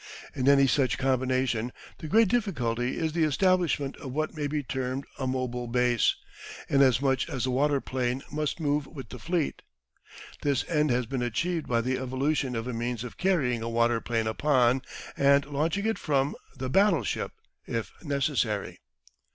In any such combination the great difficulty is the establishment of what may be termed a mobile base, inasmuch as the waterplane must move with the fleet. This end has been achieved by the evolution of a means of carrying a waterplane upon, and launching it from, a battleship, if necessary.